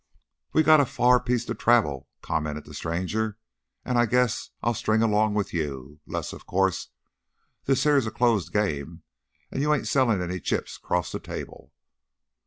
"We got a far piece to travel," commented the stranger. "An' I guess I'll string along with you, 'less, of course, this heah is a closed game an' you ain't sellin' any chips 'cross the table.